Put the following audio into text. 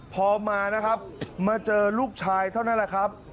พอมานะครับมาเจอลูกชายเท่านั้นแหละครับ